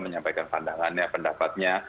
menyampaikan pandangannya pendapatnya